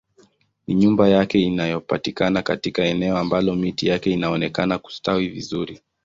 Ni nyumba inayopatikana katika eneo ambalo miti yake inaonekana kustawi vizuri